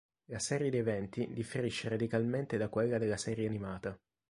La serie di eventi differisce radicalmente da quella della serie animata.